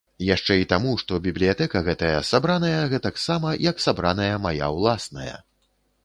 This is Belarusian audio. Яшчэ і таму, што бібліятэка гэтая сабраная гэтаксама, як сабраная мая ўласная.